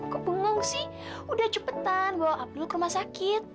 kepungung sih udah cepetan bawa abdul ke rumah sakit